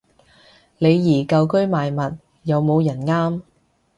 李怡舊居賣物，有冇人啱